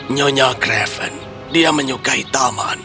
nyonya craven dia menyukai taman